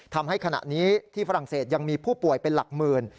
ทำให้ขณะนี้ที่ฝรั่งเศสยังมีผู้ป่วยเป็นหลักหมื่น